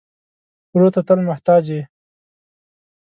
ورور ته تل محتاج یې.